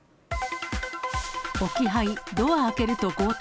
置き配、ドア開けると強盗。